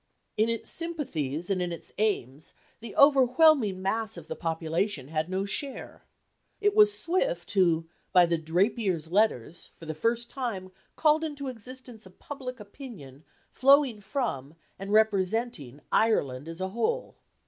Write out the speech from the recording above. In its sympathies and in its aims the overwhelming mass of the population had no share. It was Swift who, by the Drapier's Letters, for the first time called into existence a public opinion flowing from and representing Ireland as a whole.